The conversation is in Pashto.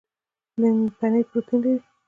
پنیر پروټین لري